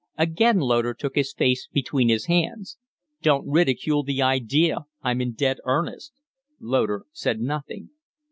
Again Loder took his face between his hands. "Don't ridicule the idea. I'm in dead earnest." Loder said nothing.